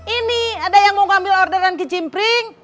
ini ada yang mau ngambil orderan kicimpring